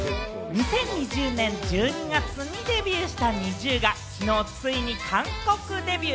２０２０年１２月にデビューしたＮｉｚｉＵがきのうついに韓国デビュー。